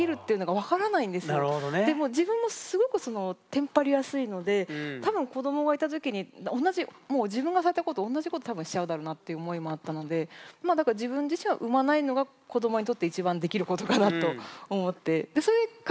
で自分もすごくテンパりやすいので多分子どもがいた時に同じもう自分がされたことおんなじこと多分しちゃうだろうなって思いもあったのでまあだから自分自身は産まないのが子どもにとって一番できることかなと思って。